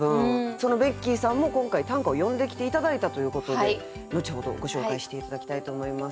そのベッキーさんも今回短歌を詠んできて頂いたということで後ほどご紹介して頂きたいと思います。